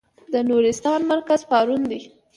د نورستان مرکز پارون دی.